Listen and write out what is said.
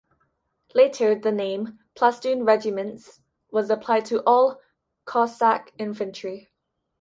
Later the name "plastoon regiments" was applied to all Cossack infantry.